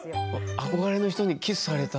憧れの人にキスされた。